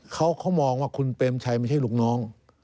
เขามองว่าคุณเปรมชัยไม่ใช่ลูกน้อง